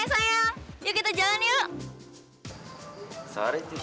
hai sayang yuk kita jalan yuk